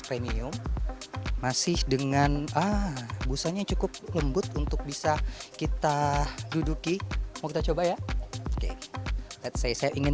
premium masih dengan busanya cukup lembut untuk bisa kita duduki mau kita coba ya oke saya ingin